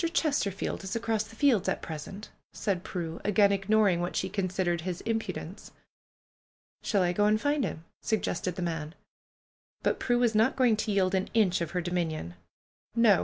Chesterfield is across the fields at present," said Prue, again ignoring what she considered his im pudence. ^^Shall I go and find him?" suggested the man. But Prue was not going to yield an inch of her do minion. "No!"